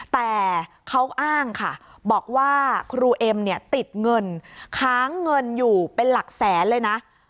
แต่เขาอ้างค่ะบอกว่าครูเอ็มเนี่ยติดเงินค้างเงินอยู่เป็นหลักแสนเลยนะ